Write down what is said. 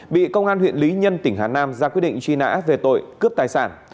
bị công an huyện lý nhân tỉnh hà nam ra quyết định truy nã về tội cướp tài sản